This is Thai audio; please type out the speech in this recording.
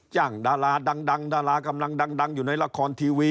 ดาราดังดารากำลังดังอยู่ในละครทีวี